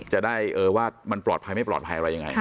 จะได้ว่ามันปลอดภัยไม่ปลอดภัยอะไรยังไง